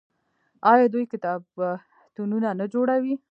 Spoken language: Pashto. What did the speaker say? آیا دوی کتابتونونه نه جوړوي؟